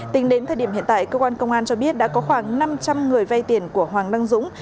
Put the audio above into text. tính đến thời điểm hiện tại cơ quan công an cho biết đã có khoảng năm trăm linh người vay tiền của hoàng đăng dũng